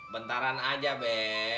bentaran aja be